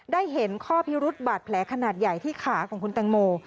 ได้เห็นข้อพิรุษบาดแผลขนาดใหญ่ที่ขาของคุณแตงโม